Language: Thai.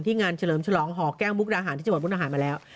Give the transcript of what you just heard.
งานเฉลิมฉลองห่อแก้วมุกดาหารที่จังหวัดมุกดาหารมาแล้ว